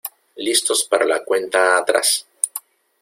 Listos para la cuenta atrás.